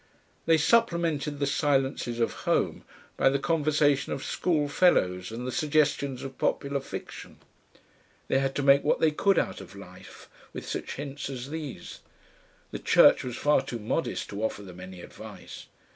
They supplemented the silences of home by the conversation of schoolfellows and the suggestions of popular fiction. They had to make what they could out of life with such hints as these. The church was far too modest to offer them any advice.